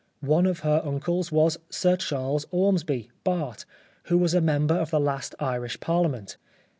One of her uncles was Sir Charles Ormsby, Bart., who was a member of the last Irish Parliament.